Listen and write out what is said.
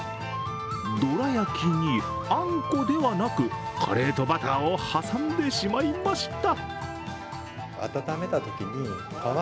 どら焼きにあんこではなくカレーとバターを挟んでしまいました。